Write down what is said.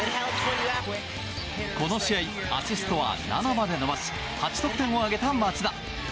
この試合アシストは７まで伸ばし８得点を挙げた町田。